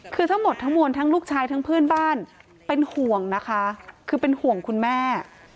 คือทั้งหมดทั้งมวลทั้งลูกชายทั้งเพื่อนบ้านเป็นห่วงนะคะคือเป็นห่วงคุณแม่